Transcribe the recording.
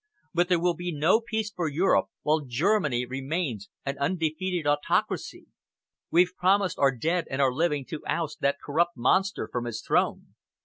But there will be no peace for Europe while Germany remains an undefeated autocracy. We've promised our dead and our living to oust that corrupt monster from his throne.